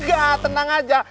nggak tenang aja